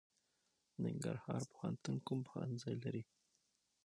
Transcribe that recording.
ننګرهار پوهنتون کوم پوهنځي لري؟